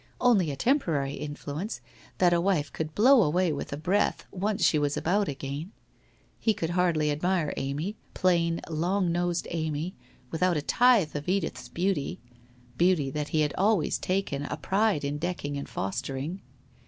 Only a temporary influence, that a wife could blow away with a breath, once she was about again! He could hardly admire Amy, plain long nosed Amy, without a tithe of Edith's beauty, beauty that he had always taken a pride in decking and fostering.